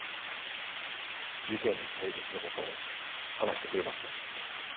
事件当日の事を話してくれますね？